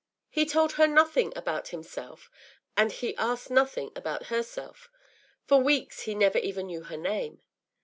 He told her nothing about himself, and he asked nothing about herself; for weeks he never even knew her name.